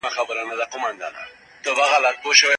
تدریسي نصاب بې بودیجې نه تمویلیږي.